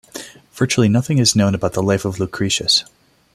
Virtually nothing is known about the life of Lucretius.